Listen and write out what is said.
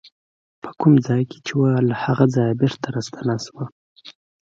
په کوم ځای کې چې وه له هغه ځایه بېرته راستنه شوه.